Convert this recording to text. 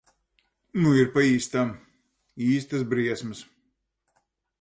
Nu ir pa īstam. Īstas briesmas.